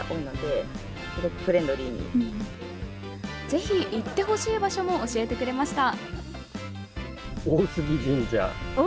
ぜひ行ってほしい場所も教えてくれました。